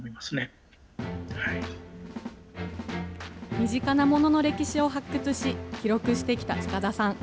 身近なものの歴史を発掘し、記録してきた塚田さん。